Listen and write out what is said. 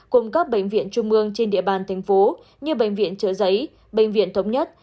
cùng các bệnh viện trung mương trên địa bàn thành phố như bệnh viện trợ giấy bệnh viện thống nhất